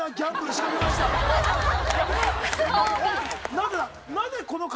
なぜだ？